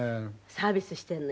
サービスしてるの？